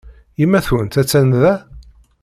Yemma-twent attan da?